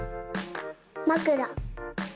まくら。